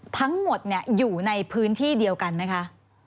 ทั้งหมดอยู่ในพื้นที่เดียวกันไหมคะ